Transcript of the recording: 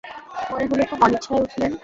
মনে হল খুব অনিচ্ছায় উঠলেন।